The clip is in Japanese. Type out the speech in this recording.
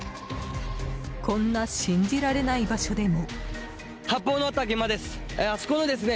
こんな信じられない場所でも。